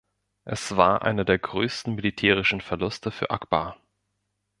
Es war einer der größten militärischen Verluste für Akbar.